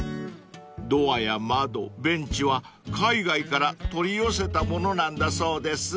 ［ドアや窓ベンチは海外から取り寄せたものなんだそうです］